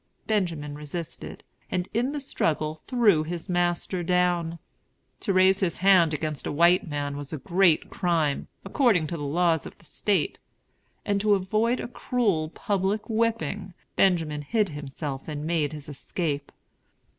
Benjamin resisted, and in the struggle threw his master down. To raise his hand against a white man was a great crime, according to the laws of the State; and to avoid a cruel, public whipping, Benjamin hid himself and made his escape.